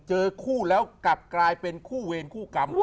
เจอคู่แล้วกลับกลายเป็นคู่เวรคู่กรรม